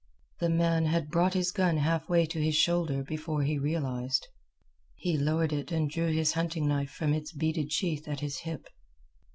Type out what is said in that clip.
The man had brought his gun halfway to his shoulder before he realized. He lowered it and drew his hunting knife from its beaded sheath at his hip.